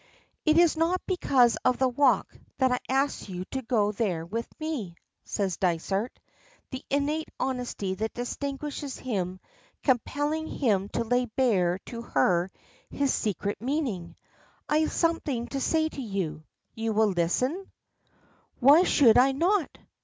"It is not because of the walk that I ask you to go there with me," says Dysart, the innate honesty that distinguishes him compelling him to lay bare to her his secret meaning. "I have something to say to you. You will listen?" "Why should I not?"